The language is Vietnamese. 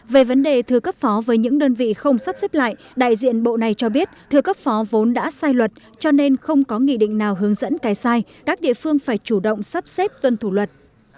về vấn đề thừa cấp phó với những đơn vị không sắp xếp lại đại diện bộ này cho biết thừa cấp phó vốn đã sai luật cho nên không có nghị định nào hướng dẫn cái sai các địa phương phải chủ động sắp xếp tuân thủ luật